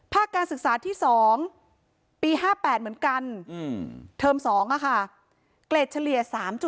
การศึกษาที่๒ปี๕๘เหมือนกันเทอม๒เกรดเฉลี่ย๓๗